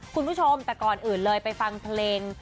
คุณผู้ชมแต่ก่อนอื่นเลยไปฟังเพลง